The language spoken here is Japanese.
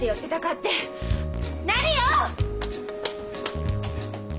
何よ。